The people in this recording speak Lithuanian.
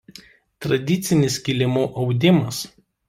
Tradicinis kilimų audimas.